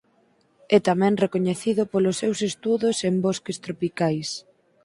É tamén recoñecido polos seus estudos en bosques tropicais.